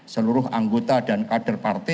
seluruh anggota dan kader partai